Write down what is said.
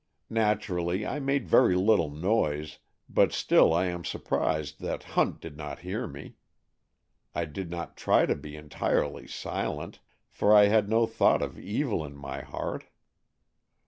Naturally, I made very little noise, but still I am surprised that Hunt did not hear me. I did not try to be entirely silent, for I had no thought of evil in my heart.